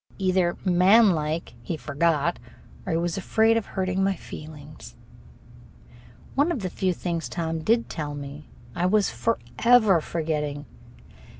Either, manlike, he forgot, or he was afraid of hurting my feelings. One of the few things Tom did tell me I was forever forgetting.